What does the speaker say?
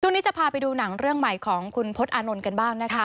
จะพาไปดูหนังเรื่องใหม่ของคุณพจน์อานนท์กันบ้างนะคะ